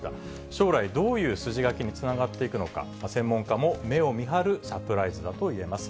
将来、どういう筋書きにつながっていくのか、専門家も目を見張るサプライズだといえます。